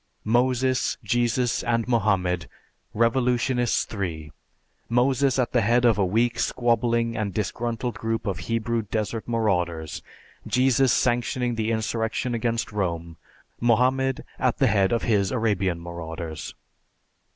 Moses, Jesus, and Mohammed; revolutionists three. Moses at the head of a weak, squabbling, and disgruntled group of Hebrew desert marauders. Jesus sanctioning the insurrection against Rome. Mohammed at the head of his Arabian marauders.